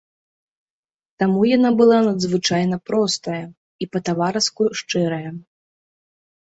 Таму яна была надзвычайна простая і па-таварыску шчырая.